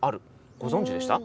ご存じでした？